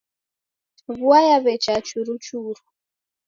Vua yaw'echa ya churuchuru.